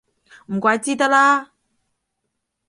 唔怪之得啦